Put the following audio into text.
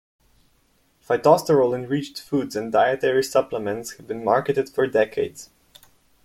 Phytosterol-enriched foods and dietary supplements have been marketed for decades.